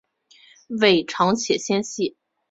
尾长且纤细。